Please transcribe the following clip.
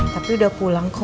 tapi udah pulang kok